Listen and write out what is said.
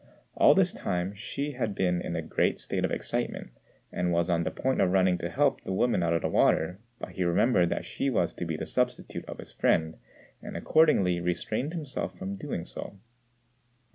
All this time Hsü had been in a great state of excitement, and was on the point of running to help the woman out of the water; but he remembered that she was to be the substitute of his friend, and accordingly restrained himself from doing so.